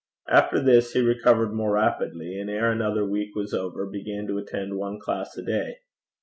After this he recovered more rapidly, and ere another week was over began to attend one class a day.